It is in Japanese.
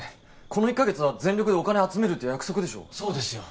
この１カ月は全力でお金集めるっていう約束でしょうそうですよ